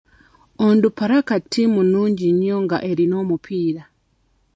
Onduparaka ttiimu nnungi nnyo nga erina omupiira.